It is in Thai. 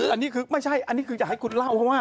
อันนี้คือไม่ใช่อันนี้คืออยากให้คุณเล่า